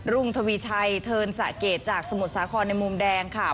รุ่นทวีชัยเทินสะเกดจากสมุดสาคอนในมุมแดงค่ะ